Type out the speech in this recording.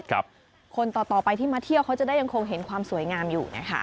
คนต่อไปที่มาเที่ยวเขาจะได้ยังคงเห็นความสวยงามอยู่นะคะ